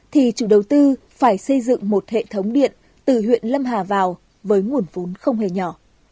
thì chủ đầu tư phải xây dựng một hệ thống điện từ huyện lâm hà vào với nguồn vốn không hề nhỏ